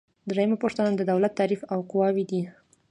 دریمه پوښتنه د دولت تعریف او قواوې دي.